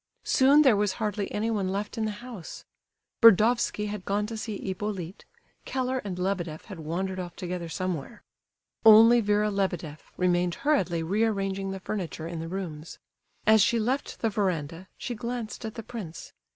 Soon there was hardly anyone left in the house. Burdovsky had gone to see Hippolyte; Keller and Lebedeff had wandered off together somewhere. Only Vera Lebedeff remained hurriedly rearranging the furniture in the rooms. As she left the verandah, she glanced at the prince.